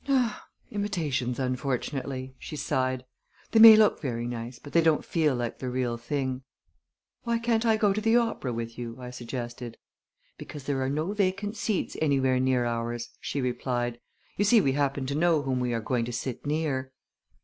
"Imitations, unfortunately," she sighed. "They may look very nice, but they don't feel like the real thing." "Why can't I go to the opera with you?" I suggested. "Because there are no vacant seats anywhere near ours," she replied. "You see we happen to know whom we are going to sit near."